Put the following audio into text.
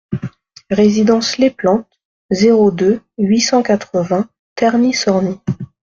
Résidence Les Plantes, zéro deux, huit cent quatre-vingts Terny-Sorny